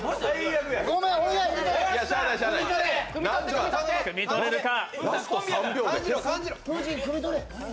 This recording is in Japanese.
くみ取れるか？